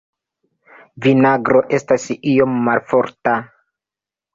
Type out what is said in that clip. Vinagro estas iom malforta.